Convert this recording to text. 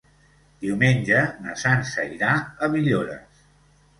Diumenge na Sança irà a Villores.